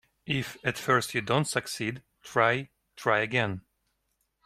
If at first you don't succeed, try, try again.